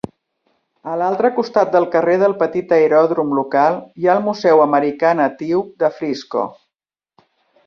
A l'altre costat del carrer del petit aeròdrom local, hi ha el Museu Americà Natiu de Frisco.